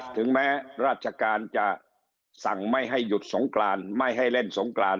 ถึงแม้ราชการจะสั่งไม่ให้หยุดสงกรานไม่ให้เล่นสงกราน